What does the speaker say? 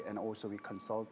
dan juga kami mendukung mereka